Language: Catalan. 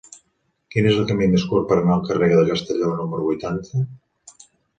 Quin és el camí més curt per anar al carrer de Castelló número vuitanta?